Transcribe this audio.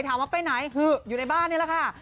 ถามว่าไปไหนคืออยู่ในบ้านนี่แหละค่ะ